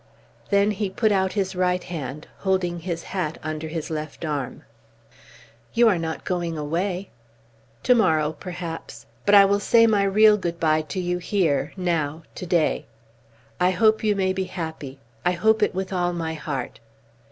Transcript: Then he put out his right hand, holding his hat under his left arm. "You are not going away?" "To morrow, perhaps. But I will say my real good bye to you here, now, to day. I hope you may be happy. I hope it with all my heart.